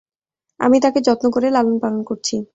আমি তাকে যত্ন করে লালন-পালন করছি।